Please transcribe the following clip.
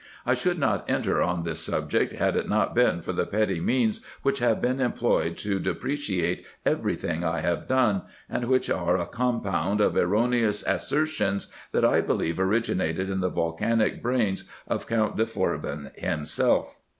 I should not enter on this subject, had it not been for the petty means which have been em ployed to depreciate every thing I have done, and which are a compound of erroneous assertions, that I believe originated in the volcanic brains of Count de Forbin himself.